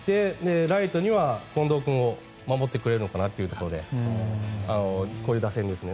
ライトには近藤君が守ってくれるのかなというところでこういう打線ですね。